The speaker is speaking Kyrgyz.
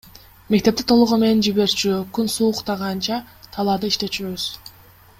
Мектепти толугу менен жиберчү, күн сууктаганча талаада иштечүбүз.